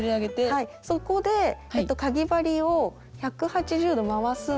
そこでかぎ針を１８０度回すんです。